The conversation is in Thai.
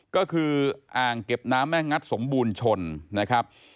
ก็คืออ่างเก็บน้ำแม่งัดสมบูรณ์ชนนะครับ